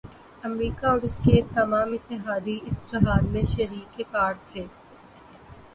امریکہ اور اس کے تمام اتحادی اس جہاد میں شریک کار تھے۔